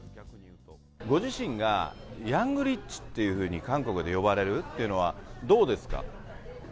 ご自身がヤングリッチっていうふうに韓国で呼ばれるっていうのは、どうですか？